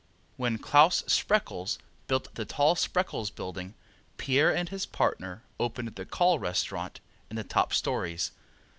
When Claus Spreckels built the tall Spreckels building Pierre and his partner opened the Call restaurant in the top stories.